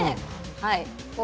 はい。